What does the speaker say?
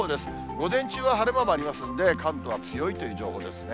午前中は晴れ間もありますんで、関東は強いという情報ですね。